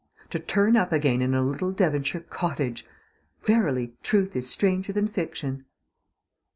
To turn up again in a little Devonshire cottage! Verily, truth is stranger than fiction.